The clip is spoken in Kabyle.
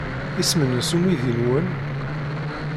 Isem-nnes umidi-nwen?